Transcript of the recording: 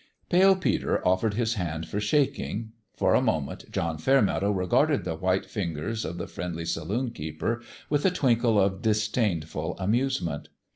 Pale Peter offered his hand for shaking. For a moment John Fairmeadow regarded the white fingers of the friendly saloon keeper with a twinkle of disdainful amusement.